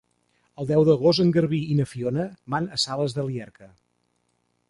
El deu d'agost en Garbí i na Fiona van a Sales de Llierca.